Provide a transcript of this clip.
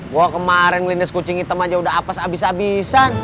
wah kemarin melindas kucing hitam aja udah apes abis abisan